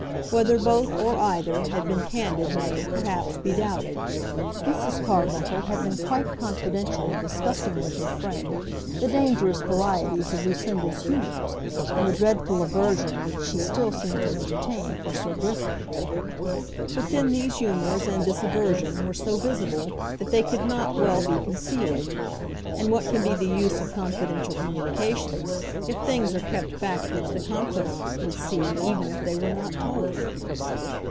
Whether both or either had been candid may, perhaps, be doubted. Mrs. Carbuncle had been quite confidential in discussing with her friend the dangerous varieties of Lucinda's humours, and the dreadful aversion which she still seemed to entertain for Sir Griffin. But then these humours and this aversion were so visible, that they could not well be concealed; and what can be the use of confidential communications if things are kept back which the confidante would see even if they were not told?